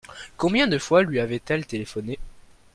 Combien de fois lui avaient-elles téléphoné ?